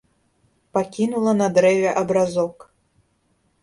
Пакінула на дрэве абразок.